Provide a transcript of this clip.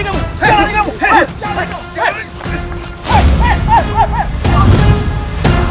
kamu mengalahkan irwan